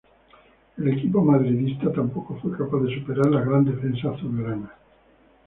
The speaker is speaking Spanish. El equipo madridista tampoco fue capaz de superar la gran defensa azulgrana.